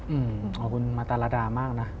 ขอบคุณมาตรดามากนะ